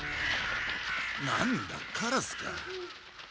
なんだカラスか。